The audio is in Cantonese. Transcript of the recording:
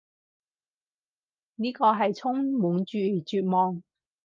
呢個係充滿住絕望